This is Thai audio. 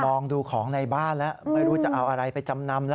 ลองดูของในบ้านแล้วไม่รู้จะเอาอะไรไปจำนำแล้ว